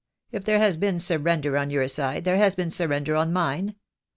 If there has been surrender on your side there has been surrender on mine.